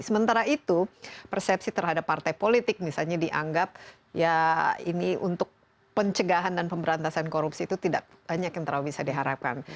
sementara itu persepsi terhadap partai politik misalnya dianggap untuk pencegahan dan pemberantasan korupsi itu tidak nyakit terlalu bisa diharapkan